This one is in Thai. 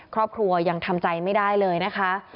ครอบครัวยังทำใจไม่ได้เลยนะคะ